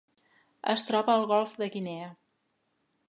Es troba al Golf de Guinea.